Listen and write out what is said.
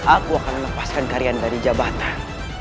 aku akan melepaskan kalian dari jabatan